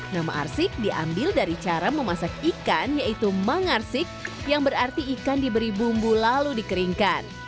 nama arsik diambil dari cara memasak ikan yaitu mengarsik yang berarti ikan diberi bumbu lalu dikeringkan